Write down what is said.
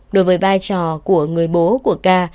đối với vai trò của người bố của ca